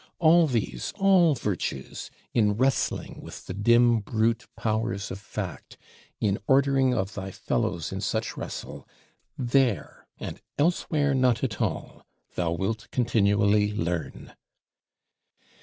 All these, all virtues, in wrestling with the dim brute Powers of Fact, in ordering of thy fellows in such wrestle, there, and elsewhere not at all, thou wilt continually learn.